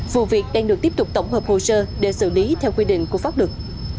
vụ việc đang được tiếp tục tổng hợp hồ sơ để xử lý theo quy định của pháp luật